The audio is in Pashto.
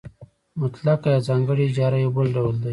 مطلقه یا ځانګړې اجاره یو بل ډول دی